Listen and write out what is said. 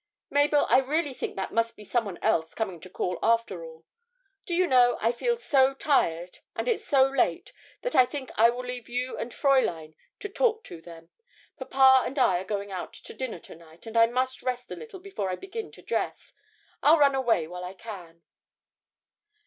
'Mabel, I really think that must be some one else coming to call after all. Do you know, I feel so tired and it's so late that I think I will leave you and Fräulein to talk to them. Papa and I are going out to dinner to night, and I must rest a little before I begin to dress. I'll run away while I can.'